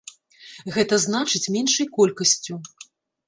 Гэта значыць, меншай колькасцю.